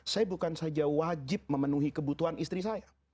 saya bukan saja wajib memenuhi kebutuhan istri saya